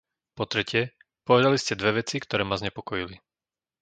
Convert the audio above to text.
Po tretie, povedali ste dve veci, ktoré má znepokojili.